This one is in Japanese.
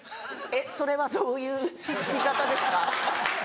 それはどういう聞き方ですか？